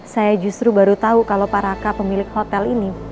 saya justru baru tau kalo pak raka pemilik hotel ini